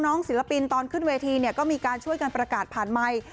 ศิลปินตอนขึ้นเวทีเนี่ยก็มีการช่วยกันประกาศผ่านไมค์